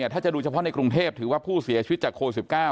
ถ้าจะดูเฉพาะในกรุงเทพถือว่าผู้เสียชีวิตจากโควิด๑๙